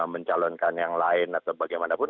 mencalonkan yang lain atau bagaimanapun